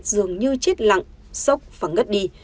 chị hát dường như chết lặng sốc và ngất đi